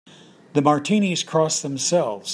The Martinis cross themselves.